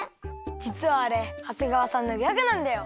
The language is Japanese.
じつはあれ長谷川さんのギャグなんだよ！